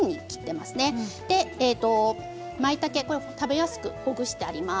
まいたけは食べやすくほぐしてあります。